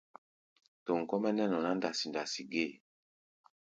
Tom kɔ́-mɛ́ nɛ́ nɔ ná ndasi-ndasi gée.